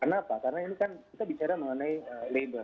saya rasa perlu ditegurkan juga bahwa ini bukan pilihan